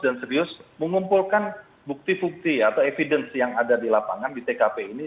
dan serius mengumpulkan bukti bukti atau evidence yang ada di lapangan di tkp ini